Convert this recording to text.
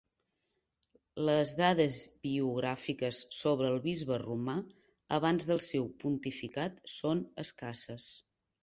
Les dades biogràfiques sobre el bisbe romà abans del seu pontificat són escasses.